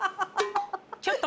ちょっと